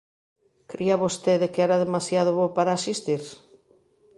Cría vostede que era demasiado bo para asistir?